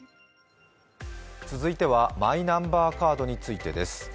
続いてはマイナンバーカードについてです。